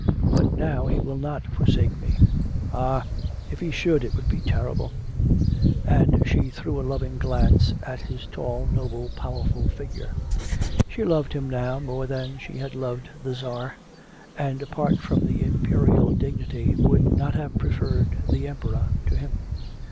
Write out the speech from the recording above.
But now he will not forsake me. Ah, if he should, it would be terrible!' And she threw a loving glance at his tall, noble, powerful figure. She loved him now more than she had loved the Tsar, and apart from the Imperial dignity would not have preferred the Emperor to him.